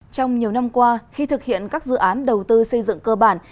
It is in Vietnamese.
trong nhiều năm qua khi thực hiện các dự án đầu tư xây dựng cơ bản